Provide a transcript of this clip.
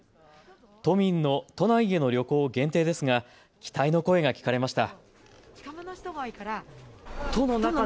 都民の都内への旅行限定ですが期待の声が聞かれました。